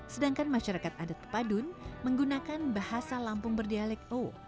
sedangkan masyarakat adat pepadun menggunakan bahasa lampung berdialek o